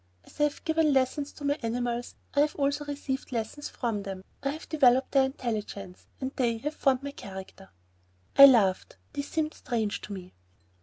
As I have given lessons to my animals, so I have received lessons from them. I have developed their intelligence; they have formed my character." I laughed. This seemed strange to me.